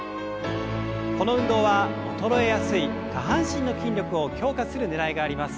この運動は衰えやすい下半身の筋力を強化するねらいがあります。